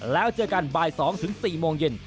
แล้วเจอกันบ่าย๒๔โมงเย็น